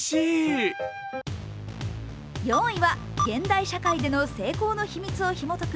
４位は現代社会での成功の秘密をひもとく